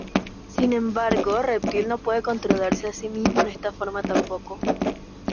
Sin embargo Reptil no puede controlarse a sí mismo en esta forma tampoco.